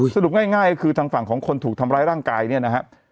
สรุปง่ายก็คือทางฝั่งของคนถูกทำร้ายร่างกายเนี่ยนะฮะ